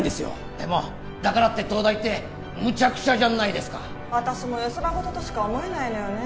でもだからって東大ってむちゃくちゃじゃないですか私も絵そらごととしか思えないのよね